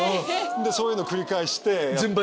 そういうのを繰り返して。